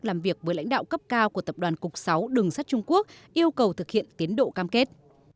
làm việc với lãnh đạo cấp cao của tập đoàn cục sáu đường sắt trung quốc yêu cầu thực hiện tiến độ cam kết